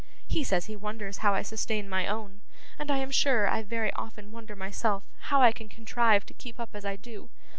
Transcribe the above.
He says he wonders how I sustain my own, and I am sure I very often wonder myself how I can contrive to keep up as I do.